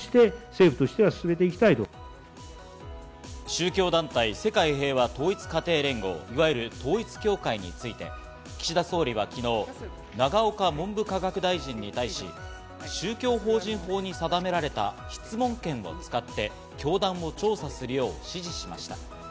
宗教団体世界平和統一家庭連合いわゆる統一教会について、岸田総理は昨日、永岡文部科学大臣に対し、宗教法人法に定められた質問権を使って教団を調査するよう指示しました。